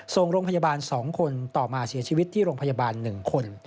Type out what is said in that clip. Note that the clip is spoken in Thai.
ส่งโรงพยาบาล๒คนต่อมาเสียชีวิตที่โรงพยาบาล๑คน